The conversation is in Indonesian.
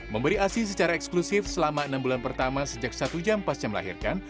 memberi asi secara eksklusif selama enam bulan pertama sejak satu jam pasca melahirkan